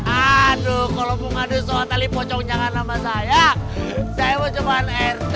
aduh kalaupun ada soal tali pocongnya kan nama saya saya mau coba rt